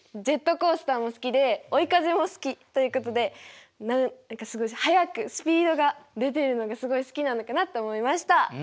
ジェットコースターも好きで「追い風」も好きということで何か速くスピードが出てるのがすごい好きなのかなと思いました。